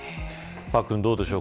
パックンどうでしょう。